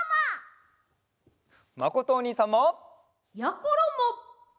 まことおにいさんも！やころも！